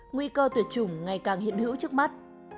nguy cơ tuyệt chủng ngày càng hiện hữu trước mắt